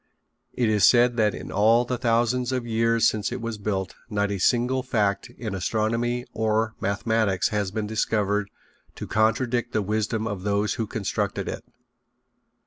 It is said that in all the thousands of years since it was built not a single fact in astronomy or mathematics has been discovered to contradict the wisdom of those who constructed it.